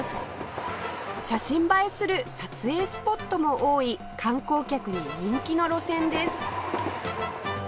写真映えする撮影スポットも多い観光客に人気の路線です